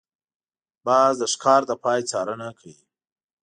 باز د ښکار د پای څارنه کوي